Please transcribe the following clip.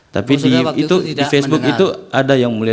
tapi di facebook itu ada yang mulai